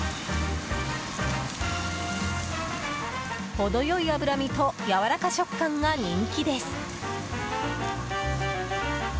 程良い脂身とやわらか食感が人気です。